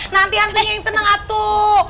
nanti hantunya yang seneng atuh